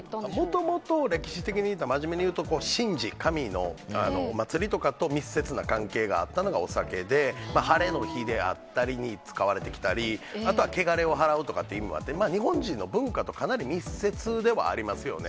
もともと、歴史的に言うと、真面目にいうと、神事、神の祭りとかと密接な関係があったのがお酒で、ハレの日であったりに使われてきたり、あとはけがれを払うとかという意味もあって、日本人の文化とかなり密接ではありますよね。